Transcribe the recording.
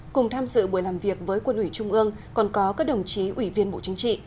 cùng tham dự buổi làm việc với quân ủy trung ương còn có các đồng chí ủy viên bộ chính trị